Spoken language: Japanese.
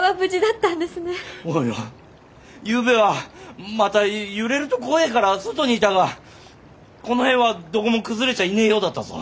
ゆうべはまた揺れると怖えから外にいたがこの辺はどこも崩れちゃいねえようだったぞ。